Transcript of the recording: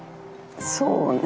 そうね。